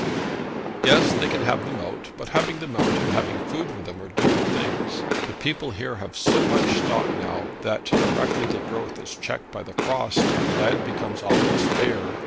'Yes; they can have them out; but having them out and having food for them are different things. The people here have so much stock now, that directly the growth is checked by the frost, the land becomes almost bare.